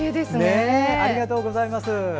ありがとうございます。